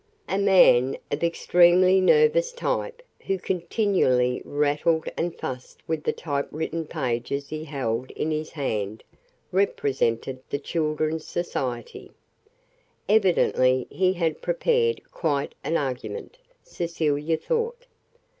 A man of extremely nervous type, who continually rattled and fussed with the typewritten pages he held in his hand, represented the Children's Society. Evidently he had prepared quite an argument, Cecilia thought.